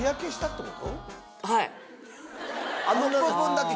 はい。